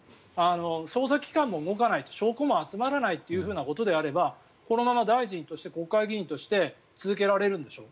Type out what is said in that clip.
捜査機関も動かない証拠も集まらないということであればこのまま大臣として国会議員として続けられるんでしょう。